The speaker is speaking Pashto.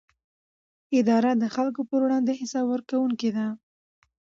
اداره د خلکو پر وړاندې حساب ورکوونکې ده.